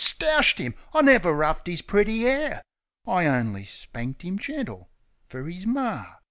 Stoushed 'iml I never roughed 'is pretty 'air! I only spanked 'im gentle, fer 'is mar.